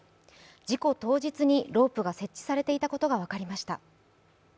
事故当日にロープが設置されていたことが分かりました。